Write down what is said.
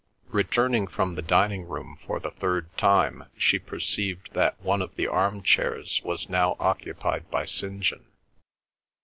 Returning from the dining room for the third time, she perceived that one of the arm chairs was now occupied by St. John.